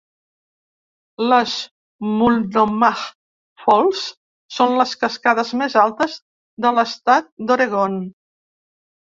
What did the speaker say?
Les Multnomah Falls són les cascades més altes de l'estat d'Oregon.